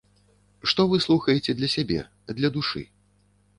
Што вы слухаеце для сябе, для душы?